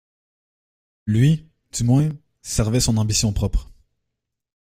Lui, du moins, servait son ambition propre.